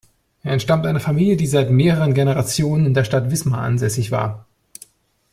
Er entstammt einer Familie, die seit mehreren Generationen in der Stadt Wismar ansässig war.